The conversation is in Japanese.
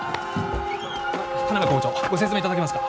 田邊校長ご説明いただけますか？